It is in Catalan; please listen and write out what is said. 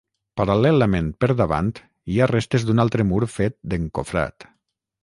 Paral·lelament per davant, hi ha restes d'un altre mur fet d'encofrat.